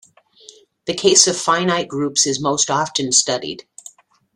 The case of finite groups is most often studied.